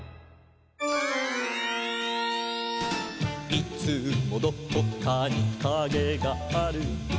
「いつもどこかにカゲがある」